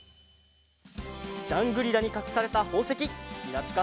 ジャングリラにかくされたほうせききらぴか